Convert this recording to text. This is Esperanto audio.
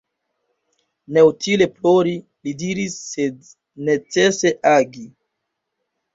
Neutile plori, li diris, sed necese agi.